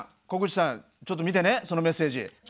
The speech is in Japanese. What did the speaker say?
小口さんちょっと見てねそのメッセージ。